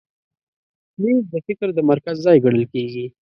مېز د فکر د مرکز ځای ګڼل کېږي.